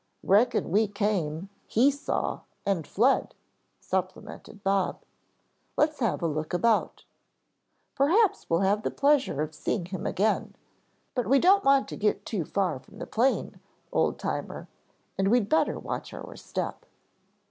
"Reckon we came, he saw, and fled," supplemented Bob. "Let's have a look about. Perhaps we'll have the pleasure of seeing him again, but we don't want to get too far from the plane, Old Timer, and we'd better watch our step.